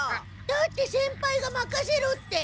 だって先輩がまかせろって。